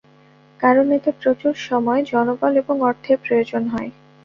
কারন এতে প্রচুর সময়, জনবল এবং অর্থের প্রয়োজন হয়।